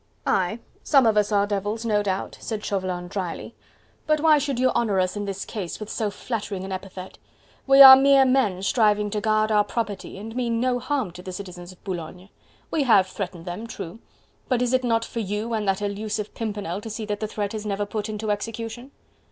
"Aye! some of us are devils, no doubt," said Chauvelin drily; "but why should you honour us in this case with so flattering an epithet? We are mere men striving to guard our property and mean no harm to the citizens of Boulogne. We have threatened them, true! but is it not for you and that elusive Pimpernel to see that the threat is never put into execution?"